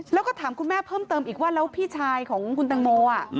แล้วก็ถามคุณแม่เพิ่มเติมอีกว่าแล้วพี่ชายของคุณตังโม